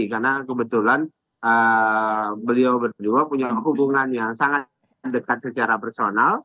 karena kebetulan beliau berdua punya hubungan yang sangat dekat secara personal